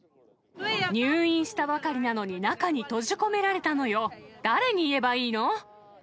入院したばかりなのに中に閉じ込められたのよ、誰に言えばいいの？